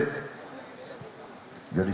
jadi saya akan menunggu sementara ini